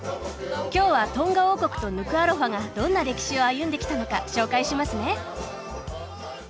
今日はトンガ王国とヌクアロファがどんな歴史を歩んできたのか紹介しますね。